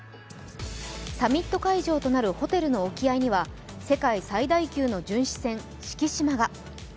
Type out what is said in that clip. サミット会場となるホテルの沖合には世界最大級の巡視船「しきしま」が。